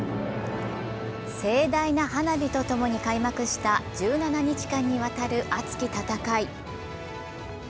盛大な花火と共に開幕した１７日間にわたる熱き戦い。